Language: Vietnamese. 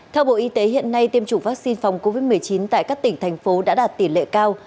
theo bộ y tế hiện nay tiêm chủng vaccine phòng covid một mươi chín tại các tỉnh thành phố đã đạt tỷ lệ cao